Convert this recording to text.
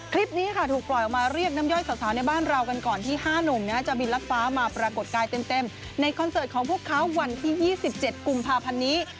คลิปนี้ค่ะถูกปล่อยออกมาเรียกน้ำย่อยสาวในบ้านเรากันก่อนที่๕หนุ่มจะบินรัดฟ้ามาปรากฏกายเต็มในคอนเสิร์ตของพวกเขาวันที่๒๗กุมภาพันธ์นี้